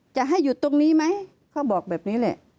จะให้หยุดตรงนี้ไหมเขาบอกแบบนี้แหละ